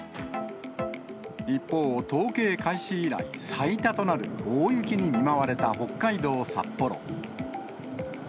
一方、統計開始以来最多となる大雪に見舞われた北海道札幌。